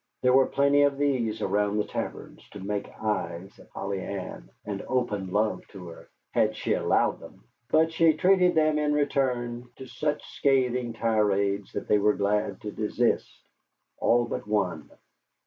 There were plenty of these around the taverns to make eyes at Polly Ann and open love to her, had she allowed them; but she treated them in return to such scathing tirades that they were glad to desist all but one.